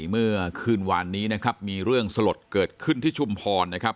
เมื่อวานนี้นะครับมีเรื่องสลดเกิดขึ้นที่ชุมพรนะครับ